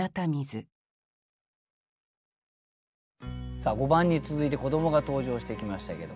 さあ５番に続いて子どもが登場してきましたけどもね。